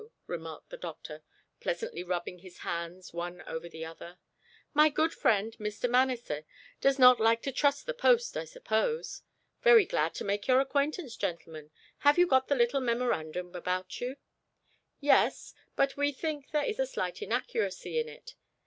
remarked the doctor, pleasantly rubbing his hands one over the other. "My good friend, Mr. Manasseh, does not like to trust the post, I suppose? Very glad to make your acquaintance, gentlemen. Have you got the little memorandum about you?" "Yes; but we think there is a slight inaccuracy in it.